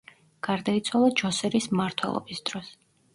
გარდაიცვალა ჯოსერის მმართველობის დროს.